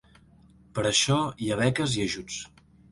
Per això hi ha beques i ajuts.